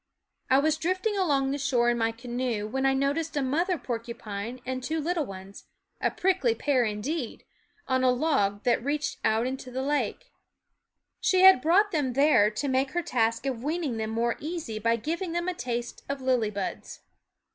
I was drift ing along the shore in my canoe when I noticed a mother porcupine and two little ones, a prickly pair indeed, on a log that reached out into the lake. She had brought them there to make her task of weaning them more easy by giving them a taste of lily buds.